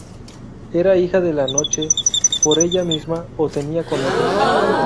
Era hija de la Noche, por ella misma o tenida con Éter.